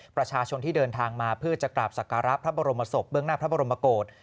ประชาชนที่เดินทางมาเพื่อจะกราบสักการะพระบรมศพเบื้องหน้าพระบรมโกศ